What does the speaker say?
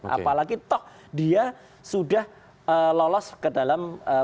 apalagi dia sudah lolos ke dalam bupati